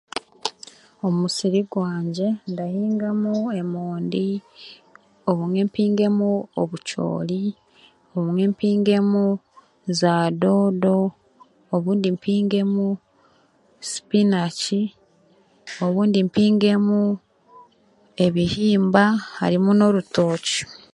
Omu musiri gwangye nimpingamu emondi, obumwe mpingemu obucoori, obumwe mpingemu zaadoodo, obundi mpingemu spinachi, obundi mpingemu ebihimba harimu n'orutookye.